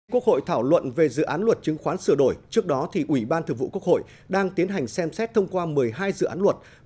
quốc hội thảo luận về dự án luật chứng khoán sửa đổi trước đó thì ủy ban thượng vụ quốc hội đang tiến hành xem xét thông qua một mươi hai dự án luật